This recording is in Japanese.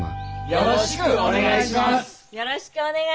よろしくお願いします。